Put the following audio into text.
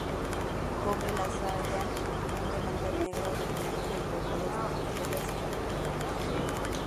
Cubre la saya un delantal negro adornado con bordados, lentejuelas y abalorios.